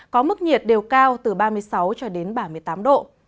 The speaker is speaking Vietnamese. có mức nhiệt đều cao từ ba mươi sáu cho đến ba mươi tám độ